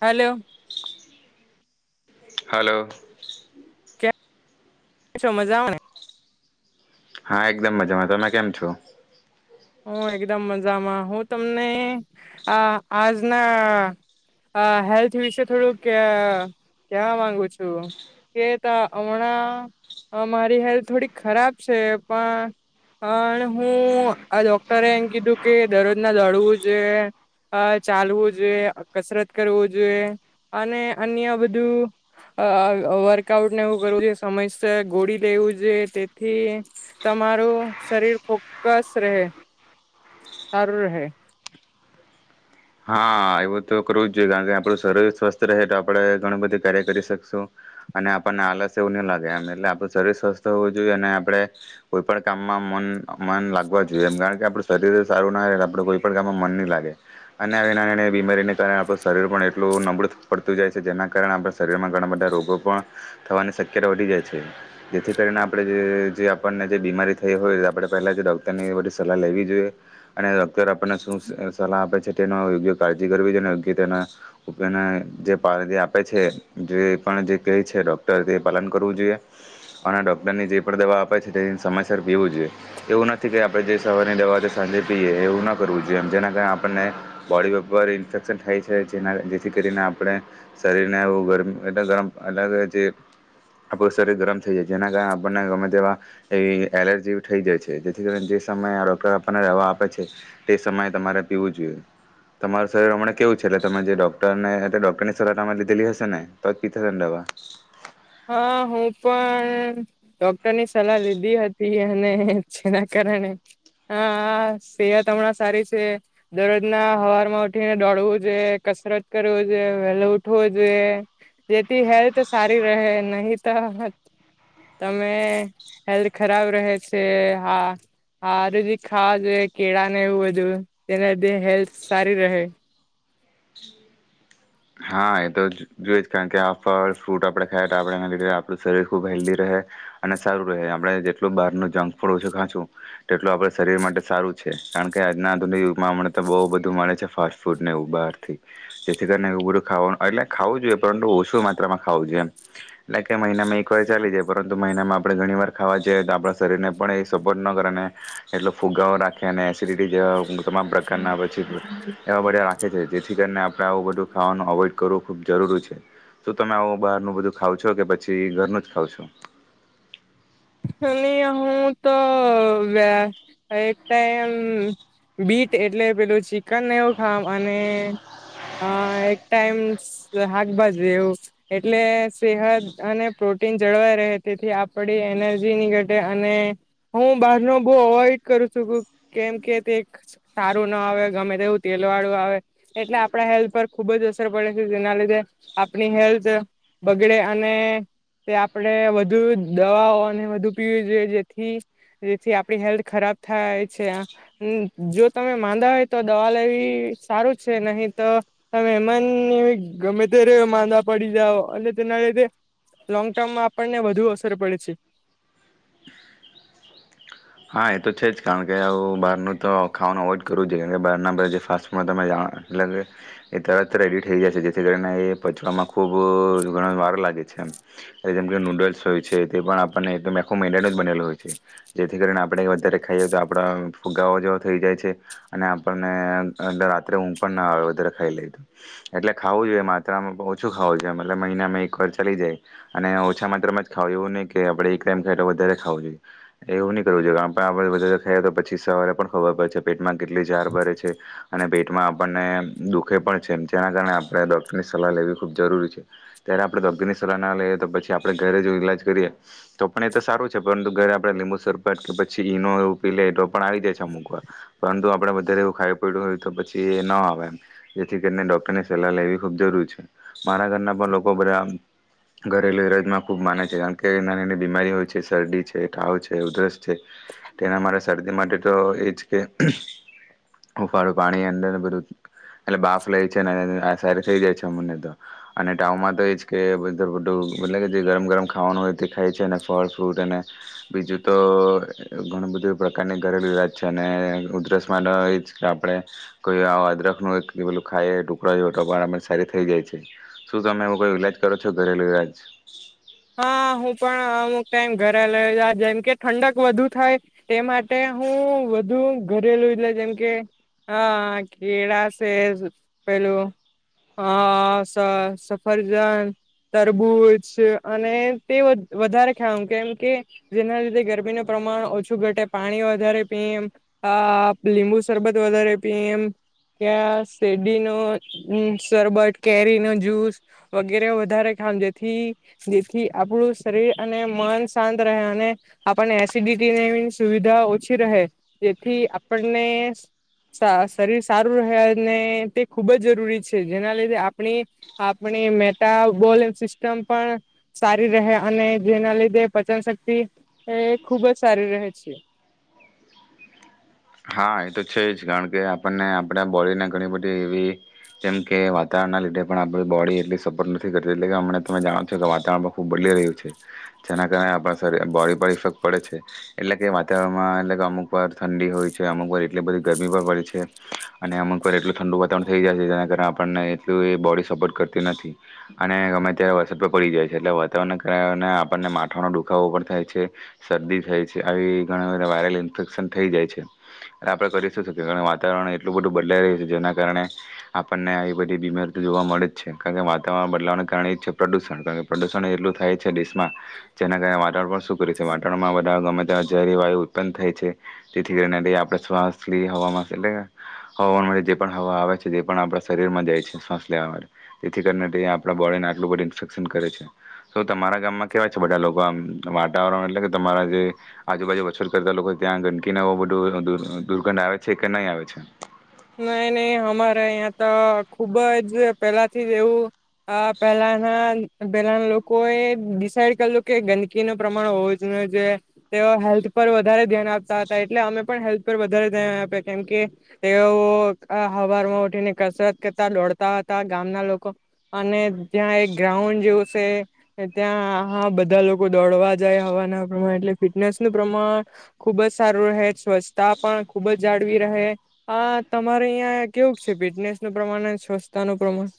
Hello. Hello. શું મજામે? હા, એકદમ મજામાં, તમે કેમ છો? હું એકદમ મજામાં. હું તમને આ આજના આ હેલ્થ વિશે થોડુંક ક અ કેવા માંગુ છું, કે ત અમણાં મારી હેલ્થ થોડી ખરાબ છે, પણ પણ અ હું આ ડોક્ટરે એમ કીધું કે દરરોજના દોડવું જોઈએ, અ ચાલવું જોઈએ, કસરત કરવું જોઈએ, અને અન્ય બધું અ અ વર્કઆઉટને એવું કરવું જોઈએ, સમયસર ગોળી લેવું જોઈએ, તેથી તમારું શરીર ફોક્કસ રહે. સારું રહે. હા એવું તો કરવું જ જોઈએ, કારણ કે આપણું શરીર સ્વસ્થ રહે તો આપડે ઘણું બધી કાર્ય કરી શકશું અને આપણને આલસ એવું નહી લાગે એમ એટલે આપણું શરીર સ્વસ્થ હોવું જોઈએ અને આપડે કોઈ પણ કામમાં મન મન લાગવા જોઈએ એમ કારણ કે, આપડું શરીર સારું ના રહે આપડું કોઈ પણ કામમાં મન નહી લાગે. અને આવી નાની નાની બીમારીને કારણે આપણું શરીર પણ એટલું નબળું પડતું જાય છે, જેના કારણે આપણા શરીરમાં ઘણા બધા રોગો પણ થવાની શક્યતા વધી જાય છે, જેથી કરીને આપણે જે જે આપણને જે બીમારી થઈ હોય આપણે પહેલાં જ ડૉક્ટરની બધી સલાહ લેવી જોઈએ અને ડૉક્ટર આપણને શું સલાહ આપે છે તે યોગ્ય કાળજી કરવી જોઈએ, અને યોગ્ય તેના ઉપયોગને જે આપે છે જે પણ જે કહે છે ડોક્ટર તે પાલન કરવું જોઈએ, અને ડોક્ટરની જે પણ દવા આપે છે તે સમયસર પીવું જોઈએ. એવું નથી કે આપણે જે સવારની દવા છે સાંજે પીએ એવું ના કરવું જોઈએ, જેના કારણે આપણને. બોડી ઉપર ઇન્ફેક્શન થાય છે, જેના જેથી કરીને આપણે શરીરને એઉ [unintelligible] ગર ગરમ અલગ જે આપણું શરીર ગરમ થઈ જાય, જેના કારણે આપણને ગમે તેવા એ એલર્જી થઈ જાય છે, જેથી કરીને જે સમયે આ રોક આપણને દવા આપે છે તે સમયે તમારે પીવું જોઈએ. તમારું શરીર હમણા કેવું છે? એટલે તમે જે ડોક્ટર ને એટલે ડોક્ટરની સલાહ લીધેલી હશે ને તો જ પી થશે ને દવા. હા હું પણ ડોક્ટરની સલાહ લીધી હતી, અને જેના કારણે હ સેહત હમણાં સારી છે. દરરોજના હવારમાં ઉઠીને દોડવું જોઈએ, કસરત કરવી જોઈએ, વહેલો ઉઠવો જોઈએ, જેથી હેલ્થ સારી રહે, નહી તો તમે હેલ્થ ખરાબ રહે છે. હા હર ખાવા જોઈએ કેળા ને એવું બધું તેના લીધે હેલ્થ સારી રહે. હા એ તો જોઈ જ કારણ કે આ ફળ, ફ્રૂટ આપણે ખાઈ તો આપણે લીધ આપણું શરીર ખૂબ હેલ્ધી રહે, અને સારું રહે. આપણે જેટલું બહાર નુ જંક ફૂડ ઓછું ખાંશું તેટલું આપણા શરીર માટે સારું છે, કારણ કે આજના આધુનિક યુગમાં હમ તો બહુ બધું મળે છે ફાસ્ટ ફૂડને બહારથી, જેથી કરીને ખાવ એટલે ખાવુ જોઈએ પરંતુ ઓછું માત્રામાં ખાવું જોઈએ એમ, [unintelligible] મહિના મે એક વાર ચાલી જાય, પરંતુ તો મહિનામાં આપણે ઘણી વાર ખાવા જઈએ, તો આપણા શરીરને પણ એ સપોર્ટ ન કરે અને એટલો ફુગાવો રાખે અને એસિડિટી જેવા તમામ પ્રકારના પછી એવા બધા રાખે છે, જેથી કરીને આપણે આવું બધું ખાવાનું. અવોઈડ કરવો ખૂબ જરૂરી છે, તો તમે આવું બહારનું બધું ખાવ છો કે પછી ઘરનું જ ખાવ છો? અને હું. તો વ્ય એક ટાઈમ બીટ એટલે પેલું ચિકન એવું ખાવ અને એક ટાઈમ શાકભાજી એવું એટલે સેહત અને પ્રોટીન જળવાઈ રહે, તેથી આપડી. એનર્જી ની ઘટે અને હું બહાર ન બહ અવોઈડ કરું છું ક કેમ કે, તે સારું ના આવે ગમે તેવું તેલ વાળું આવે એટલે આપણા હેલ્થ પર ખુબ જ અસર પડે છે, જેના લીધે આપણી હેલ્થ બગડે અને આપણે વધુ દવાઓ આને વધુ પીવી જોઈએ, જેથી જેથી આપણી હેલ્થ ખરાબ થાય છે. જો તમે માંદા હોય તો દવા લેવી સારું છે નહી તો તમે એમન [unintelligible] ગમે તે માંદા પડી જઓ અને તેના લીધે લોંગ ટર્મ આપણને વધુ અસર પડે છે. હા એ તો છે જ કારણ કે, આવું બહારનું તો ખાવાનું અવોઈડ કરવું જોઈએ, કારણ કે બહારના બધ જે ફાસ્ટમાં તમે જાણ એટ કે એ તરત રડી થઈ જાય છે, જેથી કરીને એ પચવામાં ખૂબ જ ઘણ વારો લાગે છે, જેમ કે નૂડલ્સ હોય છે, તે પણ આપણને એકદમ આખો મેડનો જ બનેલો હોય છે. જેથી કરીને આપણે વધારે ખાઈએ તો આપણા ફુગાઓ જેવો થઈ જાય છે, અને આપણને અંદર રાત્રે ઊંઘ પણ ના આવે વધારે ખાઈ લઈએ, તો એટલે ખાવું જોઈએ માત્રામાં ઓછું ખાવું જોઈએ મહિનામાં એક વાર ચાલી જાય, અને ઓછા માત્રામાં જ ખાવું એવું નહીં કે આપણે એક ટાઈમ ખ તો વધારે ખાવું જોઈએ. એવું નહીં કરવું જોએ, આપણે પણ આપડે વધારે ખાઈ તોછી સવારે પણ ખબર પડે પેટ. માં કેટલી જાર ભરે છે, અને મા આપને દુઃખે પણ છે, જેના કારણે આપણે ડોક્ટરની સલાહ લેવી ખૂબ જરૂરી છે, ત્યારે આપણે ડોક્ટરની સલાહ ના લઈએ તો પછી આપણેે ઘરે જો ઈલાજ કરીએ તો પણ એ તો સારું છે, પરંતુ ઘરે આપને લિ [unintelligible] કે પછી ઇનો એવું કય લેય તો પણ આવી જાય છે અમુકવાર, પરંતુ આપડે વધારે એવું ખાઈ પીડું હોય તો પછી એ ન આવે એમ, જેથી કરીને ડોક્ટરની સલાહ લેવી ખુબ જરૂર છે. મારા ઘરના પણ લોકો બધા ઘરેલુ એલાજમાં ખુબ માને છે, કારણ કે નાની નાની બીમારી હોય છે, શરદી છે, તાવ છે ઉધરસ છે, તેના અમારે શરદી માટે તો એજ કે હુંફાળું પાણી અંદર બધું એટલે બાફ લે છે ને આ સરૂ થઈ જાય છે અમને તો અને ટાવમાં તો એજ કે બધ બધું મ [unintelligible] કે જે ગરમ ગરમ ખાવાનું હોય તે ખાય છે અને ફળ, ફ્રૂટ અને બીજું તો ઘણું બધું પ્રકારની ઘરેલું ઇલાજ છે અને ઉધરસ માટે એ જ કે, આપણે કોઈ આ અદરકનું એક પેલું ખાઈએ ટુકડો જો હો તો પણ સારી થઈ જાય છે. શું તમે એવો કોઈ ઇલાજ કરો છો ઘરેલું ઇલાજ? હા, હું પણ અમુક ટાઈમ ઘરેલો ઇલાજ જેમ કે ઠંડક વધુ થાય તે માટે હું વધુ ઘરેલું ઈલાજ જેમકે હ કેળા છે, પેલું અ સ સફરજન, તરબૂચ અને તે વ વધારે ખઉં કેમ કે, જેના લીધે ગરમીનું પ્રમાણ ઓછું ઘટે, પાણી વધારે પીવ, અ લીંબુ શરબત વધારે પીવ, એમ ક્યા શેરડીનો શરબત, કેરીનો જ્યુસ, વગેરે વધારે ખાઉં જેથી જેથી આપણું શરીર અને મન શાંત રહે, અને આપણને એસિડિટીને સુવિધા ઓછી રહે જેથી આપણને શરીર સારું રહે અને તે ખૂબ જ જરૂરી છે, જેના લીધે આપણી આપણી મેટાબોલ સિસ્ટમ પણ સારી રહે અને જેના લીધે પચન શક્તિ એ હમ્મ ખૂબ જ સારી રહે છે. હા, એ તો છે જ કારણ કે, આપણને આપણા બોડીને ઘણી બધી એવી જેમ કે વાતાવરણના લીધે પણ આપણી બોડી એટલી સપોર્ટ નથી કરતી, એટલે કે હમને તમે જાણો છો કે વાતાવરણ પણ ખૂબ બદલી રહ્યું છે, જેના કારણે આપણા શરીર બોડી પર ઇફેક્ટ પડે છે, એટલે કે વાતાવરણમાં એટલે કે અમુક વાર ઠંડી હોય છે. અમુકવાર એટલી બધી ગરમી પણ પડી છે અને અમુકવાર એટલું ઠંડુ વાતાવરણ થઈ જાય છે, જેના કારણે આપણને એટલું એ બોડી સપોર્ટ કરતી નથી અને ગમે ત્યારે વરસાદ પણ પડી જાય છે એટલે વાતાવરણના કારણે આપણને માથાનો દુખાવો પણ થાય છે, શરદી થાય છે, આવી ઘણા બધા વાયરલ ઇન્ફેક્શન થઈ જાય છે. આપણે કરી શું શકીએ વાતાવરણ એટલું બધું બદલાઈ રહ્યું છે, જેના કારણે આપણને આવી બધી બીમારી જોવા મળે જ છે, કારણ કે વાતાવરણ બદલાવાને કારણે છે પ્રદુષણ, કારણ કે પ્રદુષણ એટલું થાય છે દેશમાં જેના કારણે વાતાવરણ શું કર છે વાતાવરણમાં ગમે ત્યારે જેહરી વાયુ ઉત્પન્ન થાય છે, તેથી કરીને એ આપડે શ્વાસ લીએ હવામાં [unintelligible] હવામાન જે પણ હવા આવે છે, જે પણ આપણા શરીરમાં જાય છે, શ્વાસ લેવા તેથી કરીને તે આપણા બોડીને આટલું બધું ઇન્ફેક્શન કરે છે, તો તમારા ગામમાં કેવા છે બધા લોકો આમ વાતાવરણ એટલે કે, તમારા જે આજુબાજુ મચ્છર કરતા લોકો ત્યાં ગંદકીને એ ઉ દૂર દૂર દુર્ગંધ આવે છે કે નહીં આવે છે? નહી નહી હમારે અયા ત ખુબ જ પહેલાથી એવું અ પહેલાના પેલાના લોકોએ ડિસાઇડ કરલું કે ગંદકીનું પ્રમાણ હોવું જ ન જોઈ, તેઓ હેલ્થ પર વધારે ધ્યાન આપતા હતા, એટલે અમે પણ હેલ્થ પર વધારે ધ્યાન આપ્યા, કેમકે તેઓ હવારમાં ઉઠીને કસરત કરતા, દોડતા હતા, ગામના લોકો અને ત્યાં એક ગ્રાઉન્ડ જેવું સે, ત્યાં બધા લોકો દોડવા જાય, હવારના પોરમાં એટલે ફિટનેસ નું પ્રમાણ ખુબ જ સારું રહે છે. સ્વચ્છતા પણ ખુબ જ જાળવી રહે. અ તમારે અહં કેવું છે ફિટનેસ નું પ્રમાણ અને સ્વચ્છતા નું પ્રમાણ?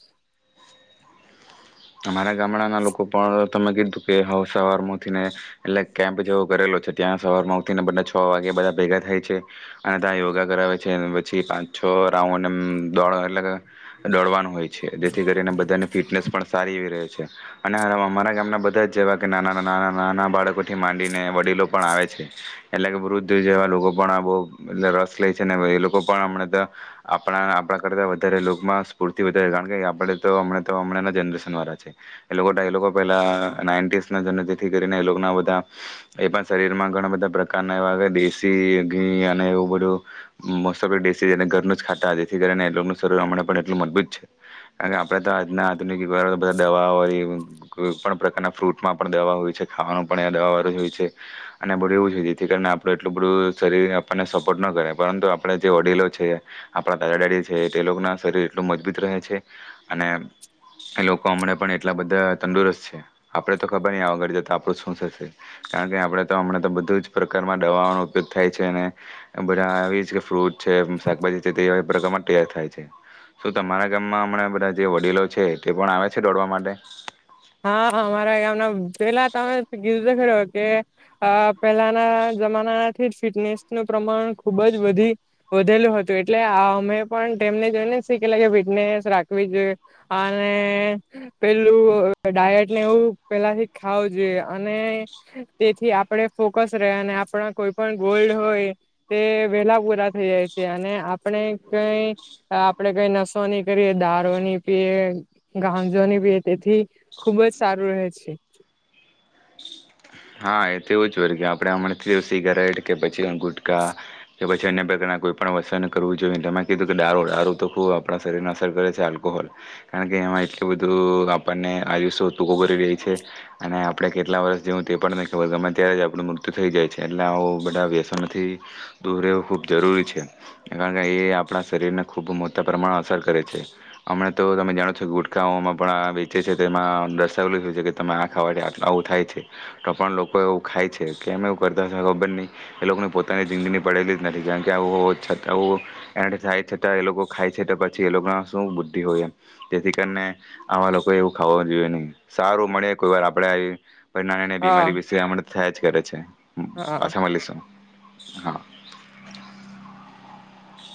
અમારા ગામડાં ના લોકો પણ તમે કીધું કે હવે સવારમાં ઉઠીને એટલે કેમ્પ જેવો કરેલો છે, ત્યાં સવારમાં ઉઠીને બંને છ વાગે બધા ભેગા થાય છે, અને ત્યાં યોગા કરાવે છે પછી પાંચ છ રાઉન્ડ એમ દોડ એટલે દોડવાનું હોય છે. છે જેથી કરીને બધાને ફિટનેસ પણ સારી એવી રહે છે. અમારા ગામના બધા જ જેવા કે નાના નાના નાના બાળકોથી માંડીને વડીલો પણ આવે છે, એટલે કે વૃદ્ધ જેવા લોકો પણ બહ રસ લે છે, ને એ લોકો પણમ આપણા આપણાં કરતાં વધારેમાં લોકમા સ્ફૂર્તિ વધારે રાખે, આપણેતો આમળાના જનરેશન અન વાળા છે. એ લોકો એલોકો ત પેલા નાઈનટીઝના તેથી કરીને એ ના બધા એ પણ શરીરમાં ઘણા બધાં પ્રકારના એ દેશી ઘી અને એવું બધું મોસ્ટઓફલી દેશી અને ઘરનું ખાતા જેથી કરીને એ લોકોનું શરીર હમણાં પણ એટલું મજબૂત છે. કારણ કે આપડે તો આજનાં આધુનિક [unintelligible] દવા વળી. કોઈ પણ પ્રકારના ફ્રૂટમાં પણ દવા હોય છે, ખાવાનું પણ દવા વાળુ જ હોય છે. અને બધું એવું છે જેથી કરીને આપણું એટલું બધું શરીર આપણને સપોર્ટ ન કરે. પરંતુ આપણે જે વડીલો છે આપણાં દાદા દાદી છે તે લોકો ના શરીર એટલું મજબૂત રહે છે. અને એ લોકો હમણાં પણ એટલા બધાં તંદુરસ્ત છે, આપણેે તો ખબર ન આગળ જતા આપણું શું થશે, કારણ કે આપણે તો હમણાં તો બધું જ પ્રકારમાં દવાઓનો ઉપયોગ થાય છે, અને બધાં આવી જ કે ફ્રૂટ છે શાકભાજી છે તેવા પ્રકાર તે થાય છે, શું તમારા ગામમાં હમણાં બધા જે વડીલો છે, તે પણ આવે છે દોડવા માટે!? હા. અમારા ગામના પેલા તમે કીધું ખરૂ કે પેલાના જમાનાથી જ ફિટનેસ નું પ્રમાણ ખુબ જ વધી વધેલું હતું એટલે અમે પણ તેમને જોઈને, કે ફિટનેસ રાખવી જોઈએ અને પેલું ડાયટને એવું પેલાથી ખાવું જોઈએ અને તેથી આપણે ફોકસ રહે અને આપણાં કોઈ પણ ગોલ્ડ હોય તે વેલા પૂરા થયા છે અને આપણે કઈ આપણે કઈ નસો નની કરીએ દારો ની પીએ ગાંજો નની પીએ તેથી, ખુબ જ સારું રહે છે. હા એ તો એવું જ હોય કે આપણેે હમણાં થી જ સિગારેટ કે પછી ગુટકા કે પછી અન્ય પ્રકારના કોઈ પણ વ્યસન કરવું જોઈએને એમાં કીધું કે દારો દારૂ તો બો આપણાં શરીરને અસર કરે છે. આલ્કોહોલ કારણ કે એમાં એટલું બધું આપણને આયુષ તૂકો ભરી રહી છે અને આપણે કેટલા વર્ષ જેવું આપણને ખબર ગમે ત્યારે જ આપણું મૃત્યુ થઈ જાય છે. એટલે આવું બધા વ્યસનથી દૂર રહેવું ખૂબ જરૂરી છે, કારણ કે એ આપણાં શરીરને ખૂબ મોટા પ્રમાણમાં અસર કરે છે. હમણાં તો તમે જાણો છો કે ગુટખાઓમાં પણ આ વેચે છે, તો એમાં દર્શાવેલું હોય છે કે તમે આ ખાવાથી આવું થાય છે. તો પણ લોકો એવું ખાય છે, કેમ એવું કરતા ખબર નહી, એ લોકોની પોતાની જિંદગી પડેલી જ નથી, કારણ કે આવું એડ છતાં એ થાય છતાં એ લોકો ખાય છે તો પછી એ લોકો ના શું બુદ્ધિ હોય એ જેથી કરીને આવા લોકો એવું ખાવાનું જોઈએ નહી. સારું મળે કોઈ વાર આપણેે આવી પર હા બીમારી વિશે હમણાં થાય જ કરે છે. હા. પાછા મળીશું હા.